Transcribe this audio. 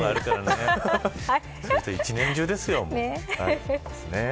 一年中ですよ。